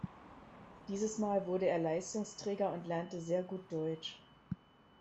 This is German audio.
Dieses Mal wurde er Leistungsträger und lernte sehr gut Deutsch.